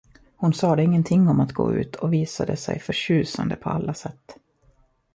Hon sade ingenting om att gå ut och visade sig förtjusande på alla sätt.